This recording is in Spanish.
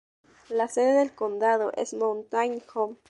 La sede del condado es Mountain Home.